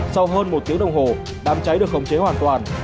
sau hơn một tiếng đồng hồ đám cháy được khống chế hoàn toàn